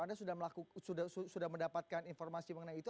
anda sudah mendapatkan informasi mengenai itu